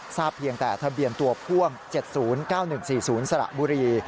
เพียงแต่ทะเบียนตัวพ่วง๗๐๙๑๔๐สระบุรี